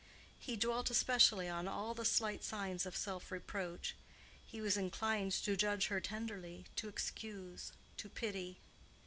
He dwelt especially on all the slight signs of self reproach: he was inclined to judge her tenderly, to excuse, to pity.